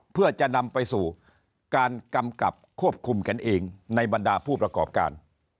เพื่อจะนำไปสู่การกำกับควบคุมกันเองในบรรดาผู้ประกอบการ